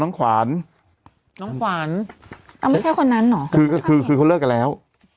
ขวานน้องขวานอ่าไม่ใช่คนนั้นเหรอคือก็คือคือเขาเลิกกันแล้ว